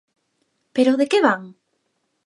Pero ¿de que van?